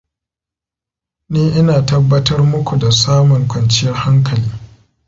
Ni ina tabbatar muku da samun kwanciyar hankali.